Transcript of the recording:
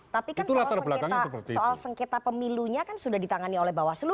tapi kan soal sengketa pemilunya kan sudah ditangani oleh bawaslu